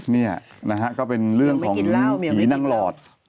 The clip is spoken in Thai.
นี่เป็นเรื่องของผีนางหลอด